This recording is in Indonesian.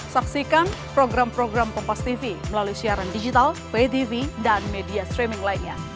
saksikan program program pempas tv melalui siaran digital pay tv dan media streaming lainnya